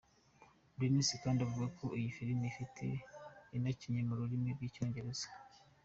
Dennis kandi avuga ko iyi Filimi ifite inakinnye mu rurimi rw’icyongereza.